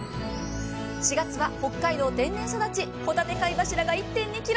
４月は北海道天然育ちほたて貝柱が１．２ｋｇ。